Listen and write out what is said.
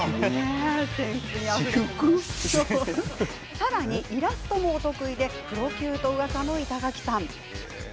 さらにイラストもお得意でプロ級とうわさの板垣さん。